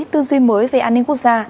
tư duy mới về an ninh quốc gia